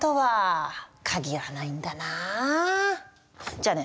じゃあね！